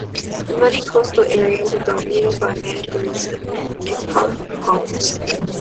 The muddy coastal areas are dominated by mangroves and nipah palms.